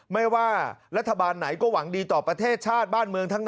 ไม่ว่ารัฐบาลไหนก็หวังดีต่อประเทศชาติบ้านเมืองทั้งนั้น